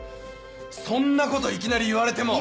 そんなこといきなり言われても。